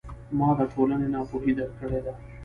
ما د ټولنې ناپوهي درک کړې ده.